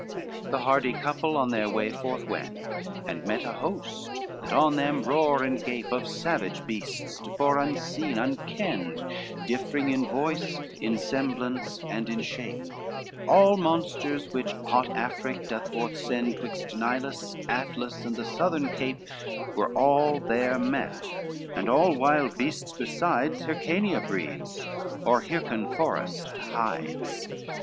LI The hardy couple on their way forth wend, And met a host that on them roar and gape, Of savage beasts, tofore unseen, unkend, Differing in voice, in semblance, and in shape; All monsters which hot Afric doth forthsend, Twixt Nilus, Atlas, and the southern cape, Were all there met, and all wild beasts besides Hyrcania breeds, or Hyrcane forest hides.